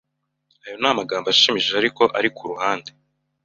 Ayo ni amagambo ashimishije, ariko ari kuruhande.